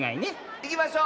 いきましょう！